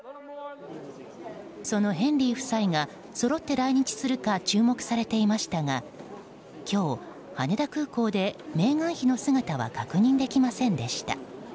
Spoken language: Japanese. そのヘンリー夫妻がそろって来日するか注目されていましたが今日、羽田空港でメーガン妃の姿は確認できませんでした。